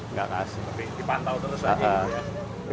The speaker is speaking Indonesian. nggak kasih tapi dipantau terus lagi